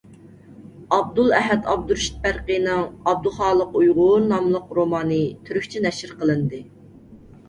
ئابدۇلئەھەد ئابدۇرېشىت بەرقىنىڭ «ئابدۇخالىق ئۇيغۇر» ناملىق رومانى تۈركچە نەشر قىلىندى.